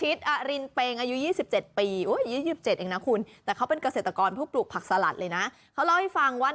หรอกมันตึงมันไม่เหี่ยว